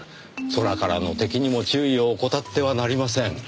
空からの敵にも注意を怠ってはなりません。